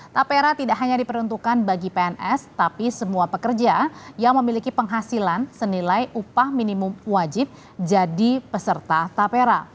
tapera tidak hanya diperuntukkan bagi pns tapi semua pekerja yang memiliki penghasilan senilai upah minimum wajib jadi peserta tapera